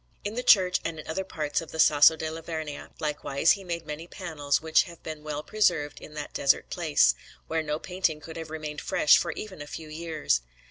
In the church and in other parts of the Sasso della Vernia, likewise, he made many panels, which have been well preserved in that desert place, where no painting could have remained fresh for even a few years.